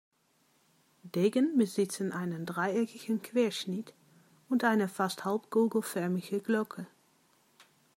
Degen besitzen einen dreieckigen Querschnitt und eine fast halbkugelförmige Glocke.